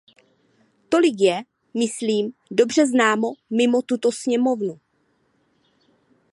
Tolik je, myslím, dobře známo mimo tuto sněmovnu.